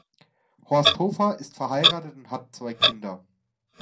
Horst Hofer ist verheiratet und hat zwei Kinder.